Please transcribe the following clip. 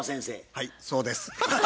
はいそうです。